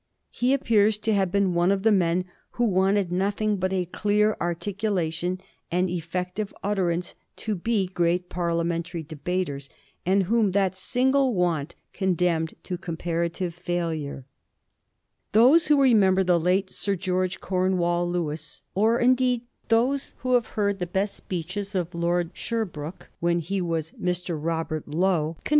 He appears to have been one of the men who wanted nothing but a clear articulation and effective utterance to be great Parliamentary debaters, and whom that single want condemned to comparative failure. Those who remember the late Sir Greorge Comewall Lewis, or, indeed, those who have heard the best speeches of Lord Sherbrooke when he was Mr. Robert Lowe, can Digiti zed by Google 380 A HISTORY OF THE FOUR GEORGES. ch. hi.